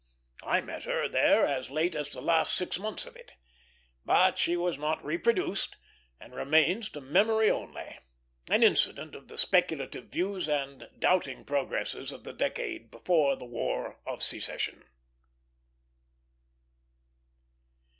I met her there as late as the last six months of it. But she was not reproduced, and remains to memory only; an incident of the speculative views and doubting progresses of the decade before the War of Secession.